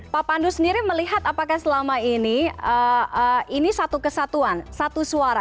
pak pandu sendiri melihat apakah selama ini ini satu kesatuan satu suara